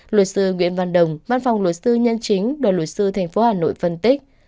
luật sư nguyễn văn đồng văn phòng luật sư nhân chính đoàn luật sư tp hà nội phân tích